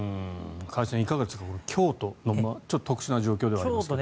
加谷さんいかがでしょうか京都のちょっと特殊な事情かと思いますが。